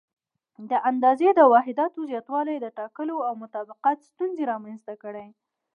د اندازې د واحداتو زیاتوالي د ټاکلو او مطابقت ستونزې رامنځته کړې.